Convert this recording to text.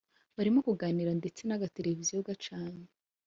barimo kuganira ndetse nagatelevision gacanye